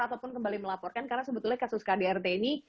ataupun kembali melaporkan karena sebetulnya kasus kdrt ini